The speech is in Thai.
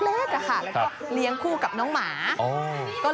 เห็นว่าใครก็ขึ้นบ้านไม่ได้